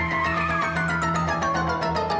nih lu ngerti gak